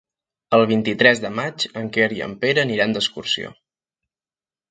El vint-i-tres de maig en Quer i en Pere aniran d'excursió.